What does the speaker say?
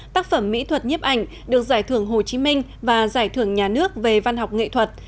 tác phẩm mỹ thuật nhiếp ảnh được giải thưởng hồ chí minh và giải thưởng nhà nước về văn học nghệ thuật